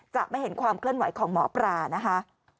จะไม่เห็นความเคลื่อนไหวของหมอปลานะคะ